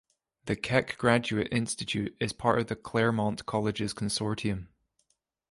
The Keck Graduate Institute is part of the Claremont Colleges consortium.